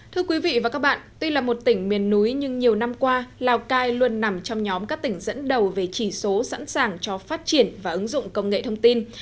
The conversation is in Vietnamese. thưa quý vị và các bạn tuy là một tỉnh miền núi nhưng nhiều năm qua lào cai luôn nằm trong nhóm các tỉnh dẫn đầu về chỉ số sẵn sàng cho phát triển và ứng dụng công nghệ thông tin